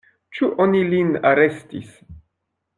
Ĉu oni lin arestis?